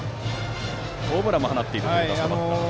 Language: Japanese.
ホームランも放っているラストバッターです。